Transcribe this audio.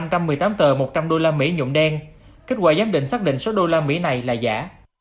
trong một mươi tám tờ một trăm linh đô la mỹ nhụm đen kết quả giám định xác định số đô la mỹ này là giả